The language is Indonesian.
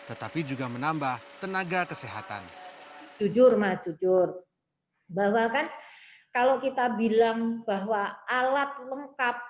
tetapi juga menambah tenaga kesehatan jujur mas jujur bahwa kan kalau kita bilang bahwa alat lengkap